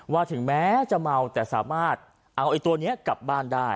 ถึงแม้จะเมาแต่สามารถเอาไอ้ตัวนี้กลับบ้านได้